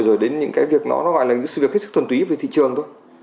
rồi đến những cái việc nó gọi là sự việc hết sức thuần túy về thị trường thôi